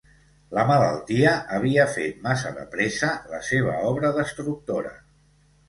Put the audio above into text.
La malaltia havia fet massa de pressa la seva obra destructora.